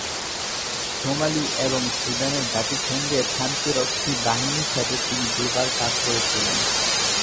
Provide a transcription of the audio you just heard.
Somali এবং সুদানের জাতিসংঘের শান্তিরক্ষী বাহিনীর সাথে তিনি দু'বার কাজও করেছিলেন।